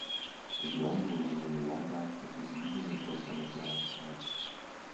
A blond woman in a white outfit is reading a book on a brown couch.